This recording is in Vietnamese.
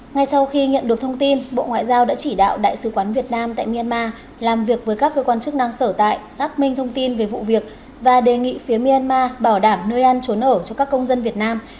ngay sau khi nhận được thông tin bộ ngoại giao đã chỉ đạo đại sứ quán việt nam tại myanmar làm việc với các cơ quan chức năng sở tại xác minh thông tin về vụ việc và đề nghị phía myanmar bảo đảm nơi ăn trốn ở cho các công dân việt nam